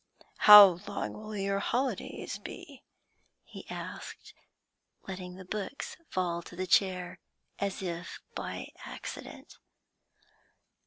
'How long will your holidays be?' he asked, letting the books fall to the chair, as if by accident.